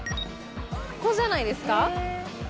ここじゃないですか？